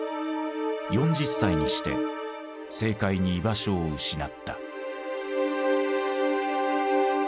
４０歳にして政界に居場所を失った。